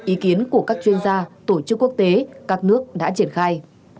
ý kiến của các chuyên gia tổ chức quốc tế các nước đã triển khai